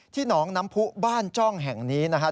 หนองน้ำผู้บ้านจ้องแห่งนี้นะครับ